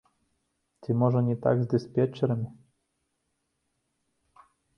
Ці можа, не так з дыспетчарамі?